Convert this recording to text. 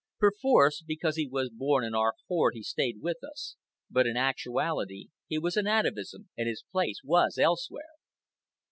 Perforce, because he was born in our horde he stayed with us; but in actuality he was an atavism and his place was elsewhere.